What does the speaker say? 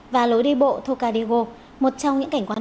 và lối đi bộ tocadigo một trong những cảnh quán